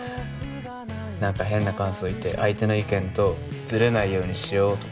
なんか変な感想言って相手の意見とずれないようにしようとか。